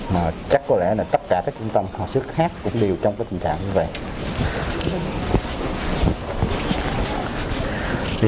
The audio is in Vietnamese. mà chắc có lẽ là tất cả các trung tâm hồi sức khác cũng đều trong tình trạng như vậy